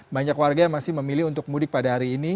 banyak warga yang masih memilih untuk mudik pada hari ini